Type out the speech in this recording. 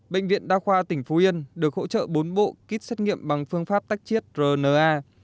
bệnh viện đa khoa tỉnh phú yên được hỗ trợ bốn bộ kit xét nghiệm bằng phương pháp tách chiết rna